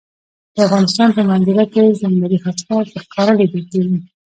د افغانستان په منظره کې ځنګلي حاصلات په ښکاره لیدل کېږي.